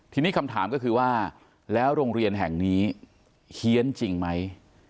ทีนี้คำถามก็คือว่าแล้วโรงเรียนแห่งนี้เฮียนจริงไหม